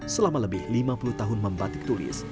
selama lebih lima puluh tahun membatik tulis